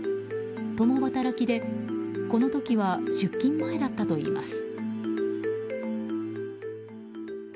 共働きで、この時は出勤前だったといいます。